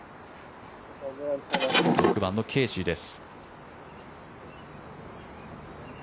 ６番のケーシーです。